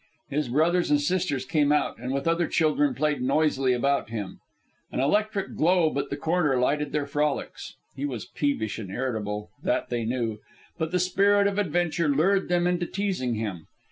His brothers and sisters came out, and with other children played noisily about him. An electric globe at the corner lighted their frolics. He was peevish and irritable, that they knew; but the spirit of adventure lured them into teasing him.